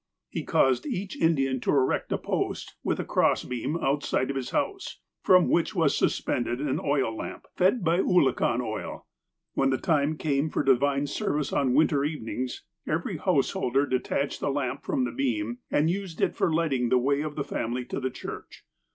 He caused each Indian to erect a post, with a cross beam, outside of his house, from which was suspended an oil lamp, fed by oolakan oil. "When the time came for divine service on winter evenings every householder de tached the lamp from the beam, and used it for lighting the way of the family to the church.